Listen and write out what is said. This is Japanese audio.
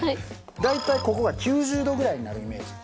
大体ここが９０度ぐらいになるイメージ。